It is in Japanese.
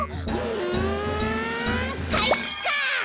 んかいか！